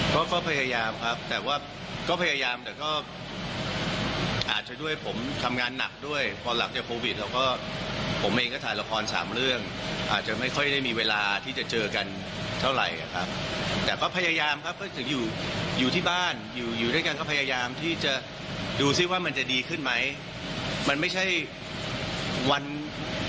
ก็ก็พยายามครับแต่ว่าก็พยายามแต่ก็อาจจะด้วยผมทำงานหนักด้วยพอหลังจากโควิดเราก็ผมเองก็ถ่ายละครสามเรื่องอาจจะไม่ค่อยได้มีเวลาที่จะเจอกันเท่าไหร่ครับแต่ก็พยายามครับก็ถึงอยู่อยู่ที่บ้านอยู่อยู่ด้วยกันก็พยายามที่จะดูซิว่ามันจะดีขึ้นไหมมันไม่ใช่วัน